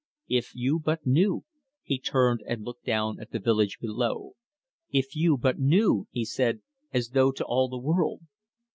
"If you but knew" he turned and looked down at the village below "if you but knew!" he said, as though to all the world.